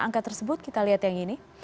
angka tersebut kita lihat yang ini